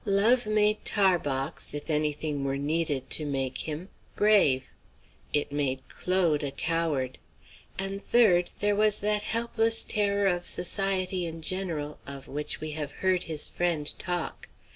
Love made Tarbox, if any thing were needed to make him, brave; it made Claude a coward. And third, there was that helpless terror of society in general, of which we have heard his friend talk.